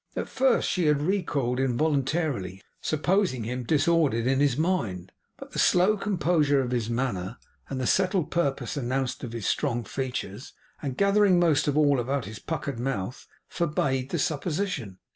At first she had recoiled involuntarily, supposing him disordered in his mind; but the slow composure of his manner, and the settled purpose announced in his strong features, and gathering, most of all, about his puckered mouth, forbade the supposition.